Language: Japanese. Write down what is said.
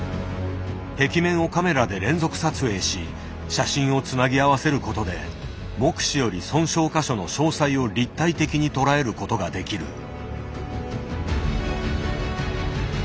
壁面をカメラで連続撮影し写真をつなぎ合わせることで目視より損傷箇所の詳細を立体的に捉えることができる。